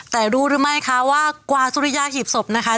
แต่รู้หรือไม่คะว่ากว่าสุริยาหีบศพนะคะ